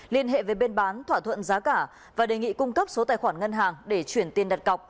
liên hệ với bên bán thỏa thuận giá cả và đề nghị cung cấp số tài khoản ngân hàng để chuyển tiền đặt cọc